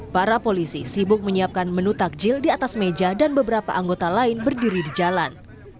para polisi sibuk menyiapkan menu takjil di atas meja dan beberapa anggota lain berdiri di jalan